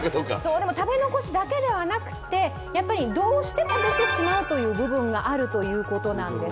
食べ残しだけではなくて、どうしても出てしまうという部分があるということなんです。